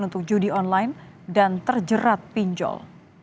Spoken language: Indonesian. untuk judi online dan terjerat pinjol